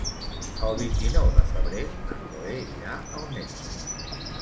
El vint-i-nou de febrer na Cloè irà al metge.